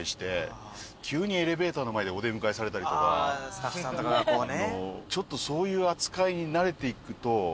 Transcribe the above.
スタッフさんとかがこうね。